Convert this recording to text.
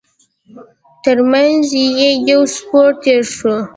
تر مينځ يې يو سپور تېر شو.